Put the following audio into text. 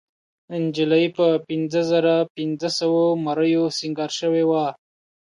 نجلۍ په پينځهزرهپینځهسوو مریو سینګار شوې وه.